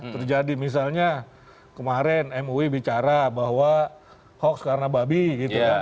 terjadi misalnya kemarin mui bicara bahwa hoax karena babi gitu kan